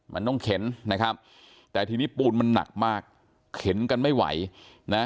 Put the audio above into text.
มันต้องเข็นนะครับแต่ทีนี้ปูนมันหนักมากเข็นกันไม่ไหวนะ